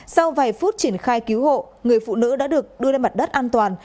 sau vài phút triển khai cứu hộ người phụ nữ đã được đưa lên mặt đất an toàn